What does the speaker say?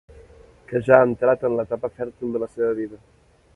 Que ja ha entrat en l'etapa fèrtil de la seva vida.